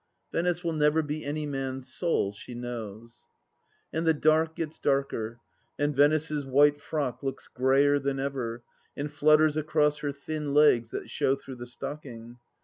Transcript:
Venice will never be any man's soul, she knows. And the dark gets darker, and Venice's white frock looks greyer than ever, and flutters across her thin legs that show through the stocking.